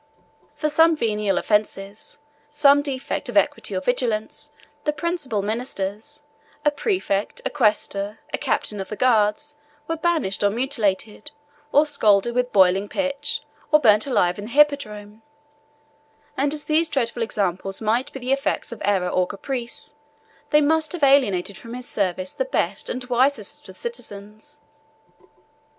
For some venial offenses, some defect of equity or vigilance, the principal ministers, a præfect, a quaestor, a captain of the guards, were banished or mutilated, or scalded with boiling pitch, or burnt alive in the hippodrome; and as these dreadful examples might be the effects of error or caprice, they must have alienated from his service the best and wisest of the citizens.